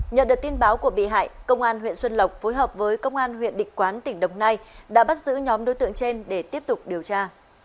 nhận được tin báo của bị hại công an huyện xuân lộc phối hợp với công an huyện định quán tỉnh đồng nai đã bắt giữ nhóm đối tượng trên để tiếp tục điều tra